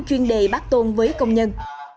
chuyên đề bác tôn với công nhân